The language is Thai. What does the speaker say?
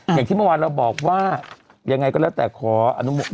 อย่างที่เมื่อวานเราบอกว่ายังไงก็แล้วแต่ขออนุโม